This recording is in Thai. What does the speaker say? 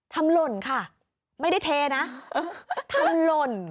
หล่นค่ะไม่ได้เทนะทำหล่น